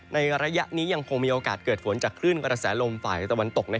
ในระยะนี้ยังคงมีโอกาสเกิดฝนจากคลื่นกระแสลมฝ่ายตะวันตก